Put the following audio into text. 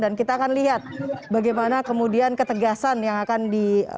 dan kita akan lihat bagaimana kemudian ketegasan yang akan diungkapkan